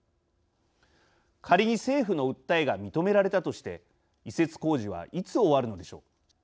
仮に政府の訴えが認められたとして移設工事はいつ終わるのでしょう。